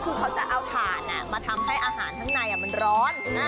คือเขาจะเอาถ่านมาทำให้อาหารข้างในมันร้อน